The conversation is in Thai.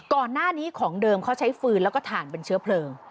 ก่อนหน้านี้ของเดิมเขาใช้ฟืนแล้วก็ถ่านเป็นเชื้อเพลิง